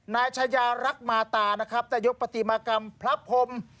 นายชายารักมาตาได้ยกปฏิมากรรมพระพมศ์